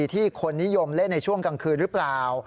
ที่คนนิยมเล่นในช่วงกลางคืนหรือเปล่า